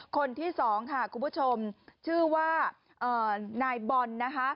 คนที่สองค่ะคุณผู้ชมชื่อว่านายบอลนะคะ